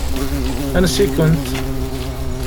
Ansi-kent.